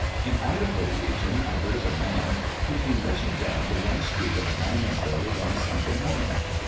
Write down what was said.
In Idaho region, I heard of a man who came rushing down the one street of a mining village on a Sunday morning.